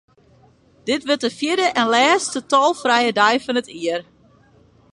Dit wurdt de fjirde en lêste tolfrije dei fan dit jier.